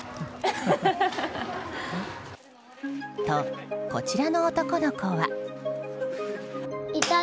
と、こちらの男の子は。